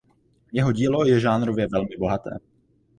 Jeho dílo je žánrově velmi bohaté.